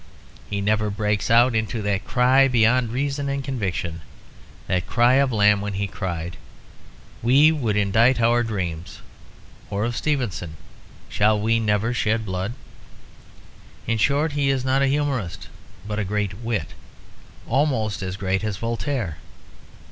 He never breaks out into that cry beyond reason and conviction, that cry of Lamb when he cried, "We would indict our dreams!" or of Stevenson, "Shall we never shed blood?" In short he is not a humorist, but a great wit, almost as great as Voltaire.